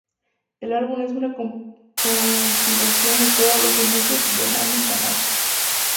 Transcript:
El álbum es una compilación de todos los remixes de Nami Tamaki.